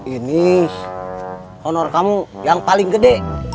ini honor kamu yang paling gede